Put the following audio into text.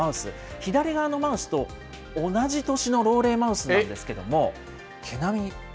左側のマウスと同じ年の老齢マウスなんですけれども、毛並み、